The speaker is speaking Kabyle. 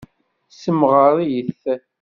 Semɣer-it.